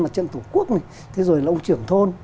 mặt trận tổ quốc này thế rồi là ông trưởng thôn